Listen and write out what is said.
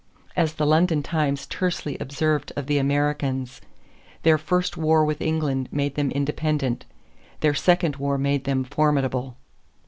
As the London Times tersely observed of the Americans, "their first war with England made them independent; their second war made them formidable."